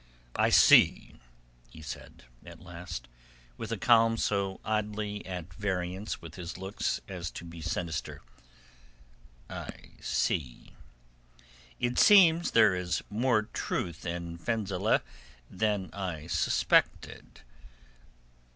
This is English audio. "I see," he said at last, with a calm so oddly at variance with his looks as to be sinister. "I see. It seems that there is more truth in Fenzileh than I suspected.